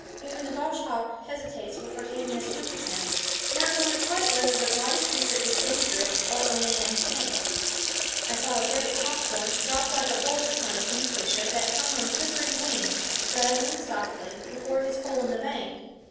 Even the goshawk hesitates before taking a swoop at him, not knowing quite whether the gaudy creature is dangerous or only uncanny. I saw a great hawk once drop like a bolt upon a kingfisher that hung on quivering wings, rattling softly, before his hole in the bank.